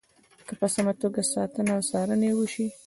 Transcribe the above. که په سمه توګه ساتنه او څارنه یې وشي.